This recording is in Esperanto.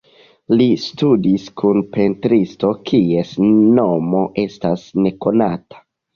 Li studis kun pentristo kies nomo estas nekonata.